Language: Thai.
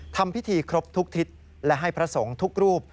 ทำพิธีครบทุกทิศและให้พระสงฆ์ทุกรูป